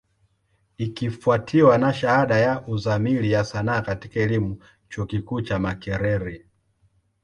Ikifwatiwa na shahada ya Uzamili ya Sanaa katika elimu, chuo kikuu cha Makerere.